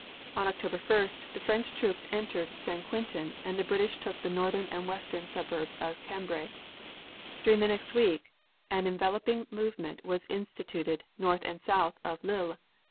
On October 1st, the French troops entered St. Quentin and the British took the northern and western suburbs of Cambrai. During the next week an enveloping movement was instituted north and south of Lille.